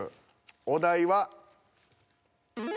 お題は。